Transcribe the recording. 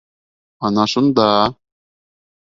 Ана шунда...